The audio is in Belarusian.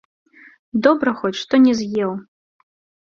Добра хоць што не з'еў!